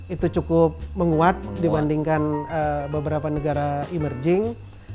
itu cukup menguat dibandingkan beberapa negara emerging